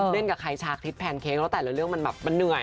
เล่นกับไครชักทิศแพนเค้กแล้วแต่ละเรื่องมันเหนื่อย